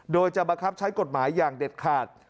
โดยจะบังคับใช้กฎหมายอย่างเด็ดขาด